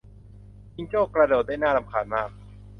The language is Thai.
จิงโจ้กระโดดได้น่ารำคาญมาก